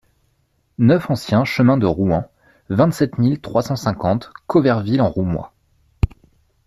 neuf ancien Chemin de Rouen, vingt-sept mille trois cent cinquante Cauverville-en-Roumois